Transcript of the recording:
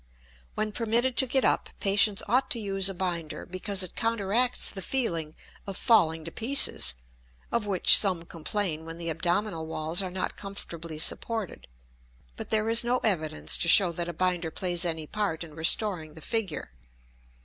When permitted to get up patients ought to use a binder, because it counteracts the feeling of "falling to pieces" of which some complain when the abdominal walls are not comfortably supported. But there is no evidence to show that a binder plays any part in restoring the figure.